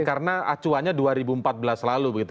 karena acuannya dua ribu empat belas lalu begitu